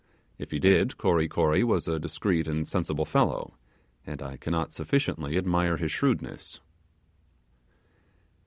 if he did, Kory Kory was a discreet and sensible fellow, and I cannot sufficiently admire his shrewdness.